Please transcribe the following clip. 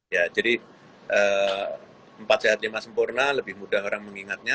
ya jadi empat sehat lima sempurna lebih mudah orang mengingatnya